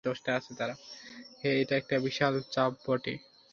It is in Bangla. হ্যাঁ, এটা একটা বিশাল চাপ বটে।